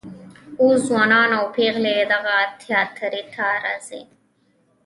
اوس ځوانان او پیغلې دغه تیاتر ته راځي.